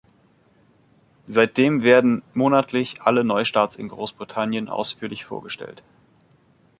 Seitdem werden monatlich alle Neustarts in Großbritannien ausführlich vorgestellt.